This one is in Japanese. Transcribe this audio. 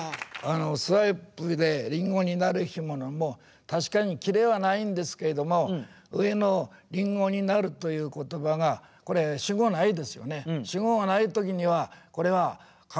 「スワイプでりんごになる日も」も確かにキレはないんですけれども上の「りんごになる」という言葉がなるほど。